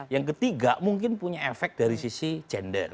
yang ketiga mungkin punya efek dari sisi gender